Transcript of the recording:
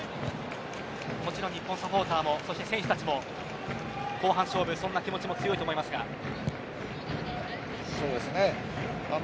もちろん日本サポーターもそして選手たちも後半勝負そんな気持ちもそうですね。